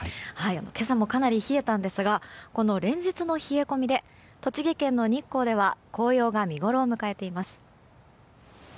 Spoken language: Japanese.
今朝もかなり冷えたんですが連日の冷え込みで栃木県の日光では紅葉が見ごろを迎えています。